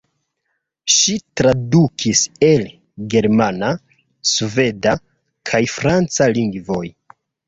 Ŝi tradukis el germana, sveda kaj franca lingvoj.